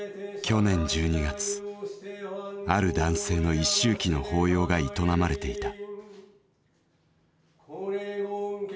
去年１２月ある男性の一周忌の法要が営まれていた。